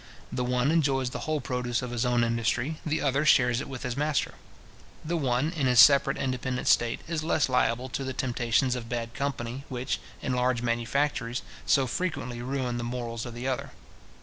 The one enjoys the whole produce of his own industry, the other shares it with his master. The one, in his separate independent state, is less liable to the temptations of bad company, which, in large manufactories, so frequently ruin the morals of the other.